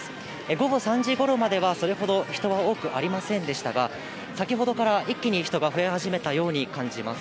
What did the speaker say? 午後３時ごろまでは、それほど人は多くありませんでしたが、先ほどから一気に人が増え始めたように感じます。